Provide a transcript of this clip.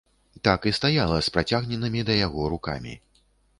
Так і стаяла з працягненымі да яго рукамі.